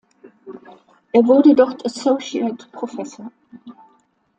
Er wurde dort Associate Professor.